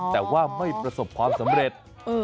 แต่ว่าไม่ประสบความสำเร็จ